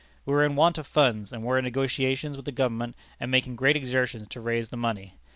We were in want of funds, and were in negotiations with the government, and making great exertions to raise the money.